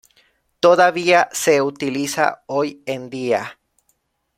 Todavía se utiliza hoy en día.